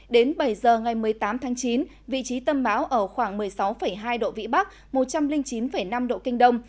đến bảy giờ ngày một mươi tám tháng chín vị trí tâm báo ở khoảng một mươi sáu hai độ vĩ bắc một trăm linh chín năm độ kinh đông